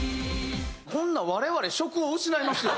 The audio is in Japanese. こんなん我々職を失いますよ。